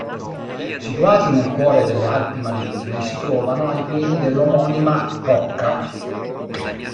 Situati nel cuore delle Alpi Marittime, si trovano ai piedi dell'omonima rocca.